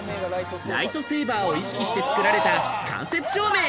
ライトセーバーを意識して作られた間接照明。